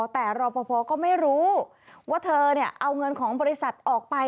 แต่รอปภก็ไม่รู้ว่าเธอเอาเงินของบริษัทออกไป